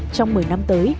trong một mươi năm tới